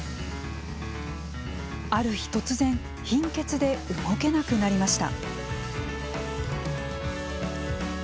ある日突然貧血で動けなくなりました。